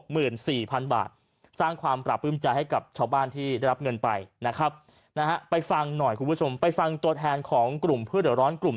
หมื่นสี่พันบาทสร้างความปราบปื้มใจให้กับชาวบ้านที่ได้รับเงินไปนะครับนะฮะไปฟังหน่อยคุณผู้ชมไปฟังตัวแทนของกลุ่มผู้เดี๋ยวร้อนกลุ่ม